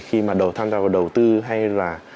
khi mà tham gia vào đầu tư hay là